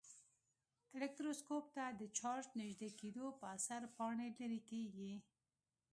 الکتروسکوپ ته د چارج نژدې کېدو په اثر پاڼې لیري کیږي.